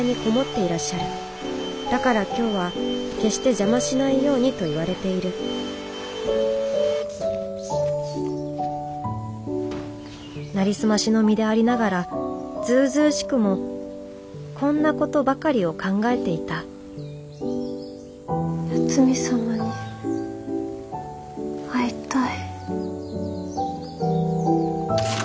だから今日は決して邪魔しないようにと言われているなりすましの身でありながらずうずうしくもこんなことばかりを考えていた八海サマに会いたい。